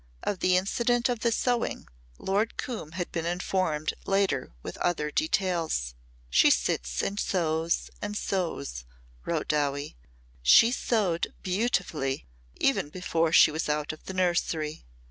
Of the incident of the sewing Lord Coombe had been informed later with other details. "She sits and sews and sews," wrote Dowie. "She sewed beautifully even before she was out of the nursery.